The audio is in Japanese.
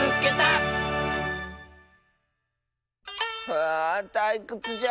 はあたいくつじゃ。